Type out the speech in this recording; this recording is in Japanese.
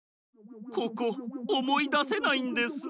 ここおもいだせないんです。